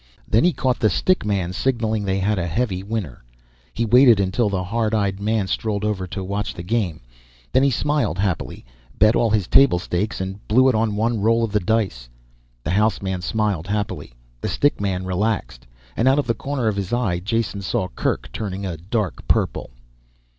Then he caught the stick man signaling they had a heavy winner. He waited until the hard eyed man strolled over to watch the game, then he smiled happily, bet all his table stakes and blew it on one roll of the dice. The house man smiled happily, the stick man relaxed and out of the corner of his eye Jason saw Kerk turning a dark purple.